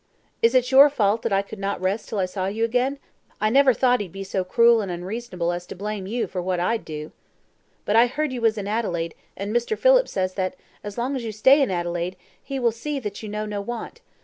"Is it your fault that I could not rest till I saw you again? I never thought he'd be so cruel and unreasonable as to blame you for what I'd do." "But I heard you was in Adelaide, and Mr. Phillips says that, as long as you stay in Adelaide, he will see that you know no want.